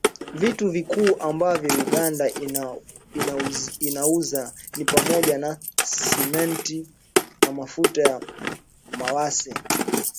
Vitu vikuu ambavyo Uganda inaiuza ni pamoja na Simenti na mafuta ya mawese